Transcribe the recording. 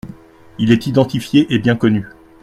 Il est identifié et bien connu.